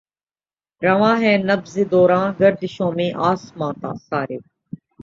رواں ہے نبض دوراں گردشوں میں آسماں سارے